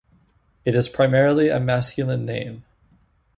It is primarily a masculine name.